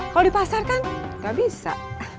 kalau di pasar kan gak bisa